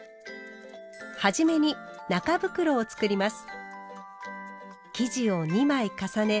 初めに中袋を作ります。